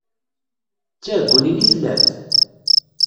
D tiɛeggunin i tellamt?